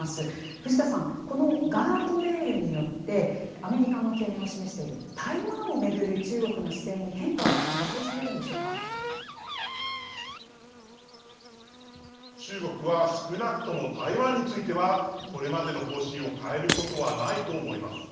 藤田さん、このガードレールによって、アメリカも懸念を示している台湾を巡る中国の姿勢に変化は中国は少なくとも台湾については、これまでの方針を変えることはないと思います。